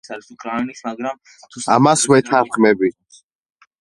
მდებარეობს ელსუორტის მიწიდან დაახლოებით ჩრდილო-დასავლეთ სანაპიროზე.